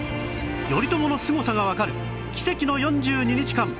頼朝のすごさがわかる奇跡の４２日間